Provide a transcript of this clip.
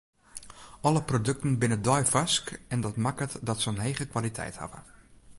Alle produkten binne deifarsk en dat makket dat se in hege kwaliteit hawwe.